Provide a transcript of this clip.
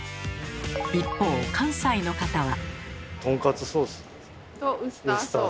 一方関西の方は。